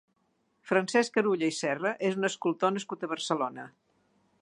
Francesc Carulla i Serra és un escultor nascut a Barcelona.